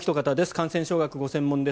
感染症学がご専門です。